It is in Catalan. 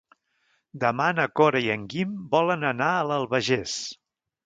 Demà na Cora i en Guim volen anar a l'Albagés.